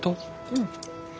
うん。